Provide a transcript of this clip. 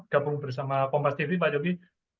gabung bersama pompas tv pak jogi